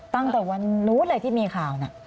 ตั้งแต่วันนู้นเลยที่มีข่าวน่ะ